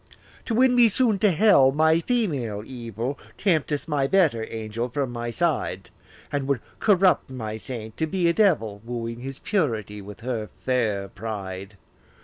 To win me soon to hell, my female evil Tempteth my better angel from my side, And would corrupt my saint to be a devil, Wooing his purity with her fair pride.